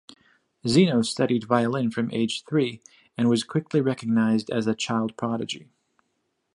Zino studied violin from age three and was quickly recognized as a child prodigy.